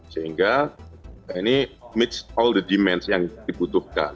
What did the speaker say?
sehingga ini meets all the demands yang dibutuhkan